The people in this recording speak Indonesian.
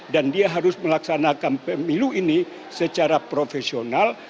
dan dia harus melaksanakan pemilu ini secara profesional